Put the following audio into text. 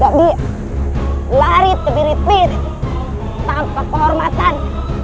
dan dia lari terpirit pirit tanpa kehormatan